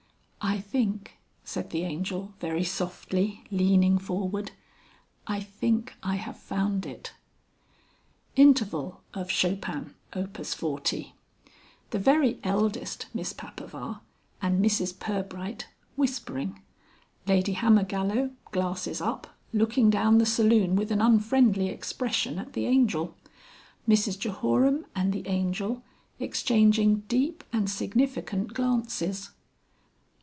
"I think," said the Angel, very softly, leaning forward, "I think I have found it." Interval of Chopin Op. 40. The very eldest Miss Papaver and Mrs Pirbright whispering. Lady Hammergallow (glasses up) looking down the saloon with an unfriendly expression at the Angel. Mrs Jehoram and the Angel exchanging deep and significant glances.